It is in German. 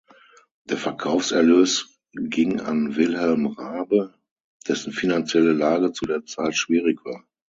Der Verkaufserlös ging an Wilhelm Raabe, dessen finanzielle Lage zu der Zeit schwierig war.